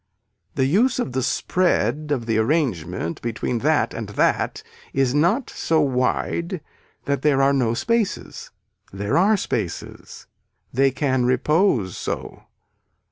The use of the spread of the arrangement between that and that is not so wide that there are no spaces. There are spaces. They can repose so.